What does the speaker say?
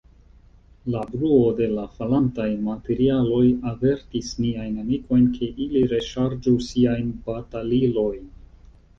La bruo de la falantaj materialoj avertis niajn amikojn, ke ili reŝargu siajn batalilojn.